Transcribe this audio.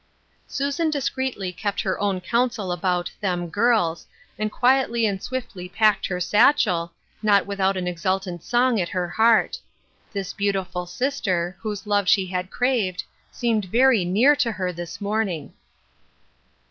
Susan discreetly kept her own counsel about " them girls," and quietly and swiftly packed her satchel, not without an exultant song at hei heart. This beautiful sister, whose love she had craved, seemed very near to her this morning.